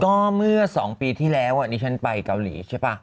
ก็เมื่อ๒ปีที่แล้วนี่ฉันไปเกาหลีใช่ป่ะ